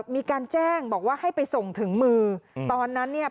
มีการแจ้งบอกว่าให้ไปส่งถึงมือตอนนั้นเนี่ย